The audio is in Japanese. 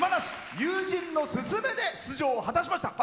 友人のすすめで出場を果たしました。